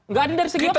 nggak adil dari segi apa